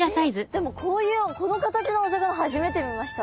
でもこういうこの形のお魚初めて見ました。